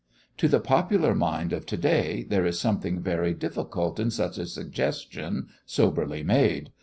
To the popular mind of to day there is something very difficult in such a suggestion, soberly made.